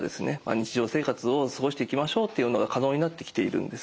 日常生活を過ごしていきましょうというのが可能になってきているんです。